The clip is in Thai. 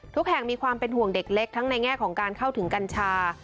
แห่งมีความเป็นห่วงเด็กเล็กทั้งในแง่ของการเข้าถึงกัญชา